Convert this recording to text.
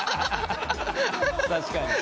確かに。